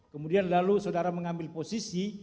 kemudian lalu saudara mengambil posisi